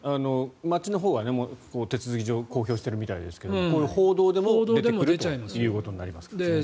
町のほうは手続き上公表しているみたいですが報道でも出てくるということになりますよね。